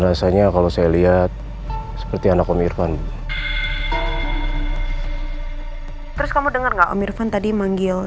rasanya kalau saya lihat seperti anak om irvan terus kamu dengar nggak om irvan tadi manggil